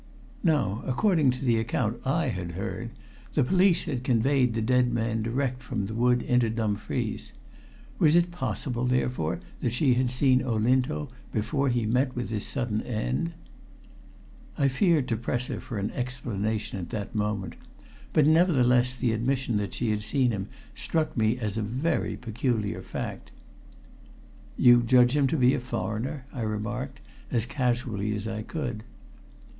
Now, according to the account I had heard, the police had conveyed the dead man direct from the wood into Dumfries. Was it possible, therefore, that she had seen Olinto before he met with his sudden end? I feared to press her for an explanation at that moment, but, nevertheless, the admission that she had seen him struck me as a very peculiar fact. "You judge him to be a foreigner?" I remarked as casually as I could.